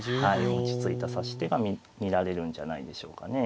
落ち着いた指し手が見られるんじゃないでしょうかね。